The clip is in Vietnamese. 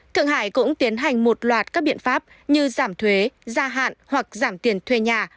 thượng hải cũng tiến hành một loạt các biện pháp như giảm thuế gia hạn hoặc giảm tiền thuê nhà